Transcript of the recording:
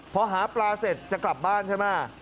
พอหาปลาเสร็จจะกลับบ้านใช่ไหม